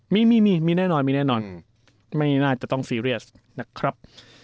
มีมีแน่นอนไม่น่าจะต้องซีเรียสนะครับ